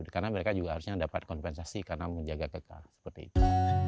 karena mereka juga harusnya dapat kompensasi karena menjaga kekah seperti itu